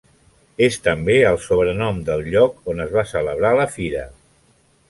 És també el sobrenom del lloc on es va celebrar la fira.